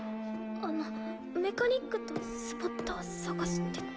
あのメカニックとスポッター探してて。